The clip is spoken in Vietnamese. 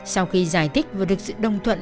sau khi giải thích vừa được sự đồng thuận